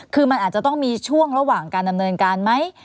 คือมันอาจจะต้องมีช่วงระหว่างการดำเนินการไหม